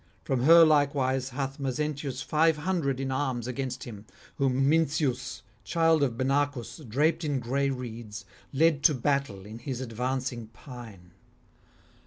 From her likewise hath Mezentius five hundred in arms against him, whom Mincius, child of Benacus, draped in gray reeds, led to battle in his advancing pine.